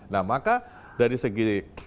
nah maka dari segi